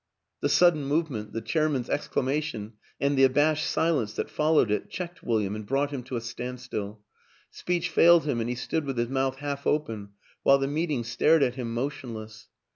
The sudden movement, the chairman's exclama tion and the abashed silence that followed it checked William and brought him to a standstill; speech failed him and he stood with his mouth half open while the meeting stared at him motion less.